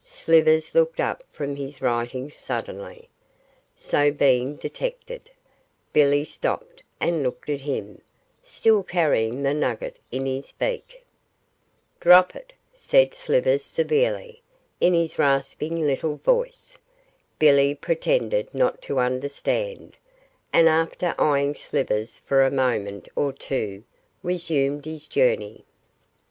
Slivers looked up from his writing suddenly: so, being detected, Billy stopped and looked at him, still carrying the nugget in his beak. 'Drop it,' said Slivers severely, in his rasping little voice. Billy pretended not to understand, and after eyeing Slivers for a moment or two resumed his journey.